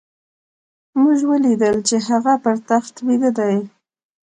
موږ وليدل چې هغه پر تخت ويده دی.